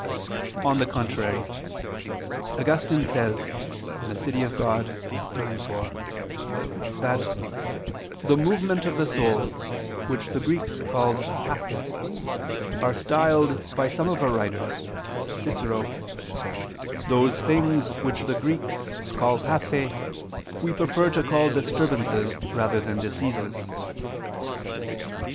On the contrary, Augustine says (De Civ. Dei ix, 4) that "the movement of the soul, which the Greeks called pathe, are styled by some of our writers, Cicero [*"Those things which the Greeks call pathe, we prefer to call disturbances rather than diseases" (Tusc.